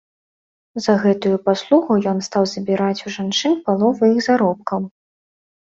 За гэтую паслугу ён стаў забіраць у жанчын палову іх заробкаў.